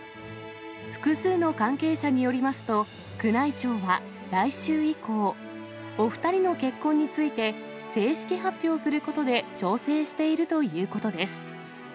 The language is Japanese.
複数の関係者によりますと、宮内庁は来週以降、お２人の結婚について正式発表することで調整しているということです。